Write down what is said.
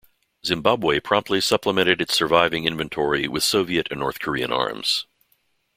Zimbabwe promptly supplemented its surviving inventory with Soviet and North Korean arms.